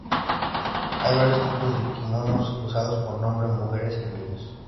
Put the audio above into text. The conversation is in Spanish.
Hay varios tipos de kimonos usados por hombres, mujeres y niños.